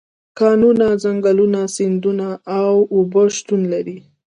کانونه، ځنګلونه، سیندونه او اوبه شتون لري.